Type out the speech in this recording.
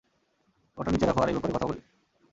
ওটা নিচে রাখো আর এ ব্যাপারে কথা বলি।